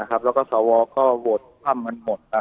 และก็สวก็วดความมันหมด